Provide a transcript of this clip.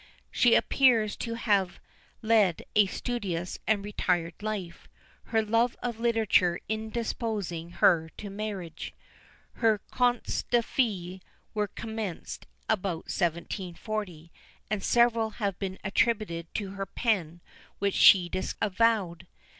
She appears to have led a studious and retired life, her love of literature indisposing her to marriage. Her Contes des Fées were commenced about 1740; and several have been attributed to her pen which she disavowed.